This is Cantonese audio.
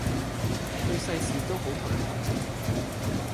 對世事都好投入感情⠀